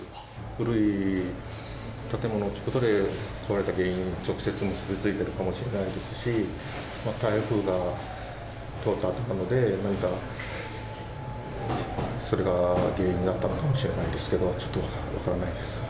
古い建物ということで、壊れた原因に、直接結び付いてるかもしれないですし、台風が通ったあとなので、何か、それが原因になったのかもしれないですけど。